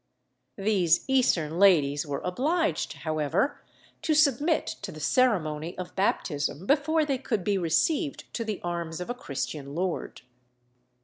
These Eastern ladies were obliged, however, to submit to the ceremony of baptism before they could be received to the arms of a Christian lord.